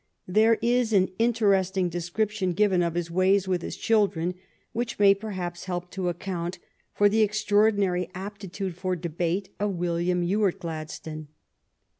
There is an interesting de scription given of his ways with his children which may perhaps help to account for the extraordinary aptitude for debate of William Ewart Gladstone.